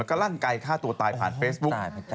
ก็ลั่นไกลฆ่าตัวตายผ่านเฟซบุ๊ก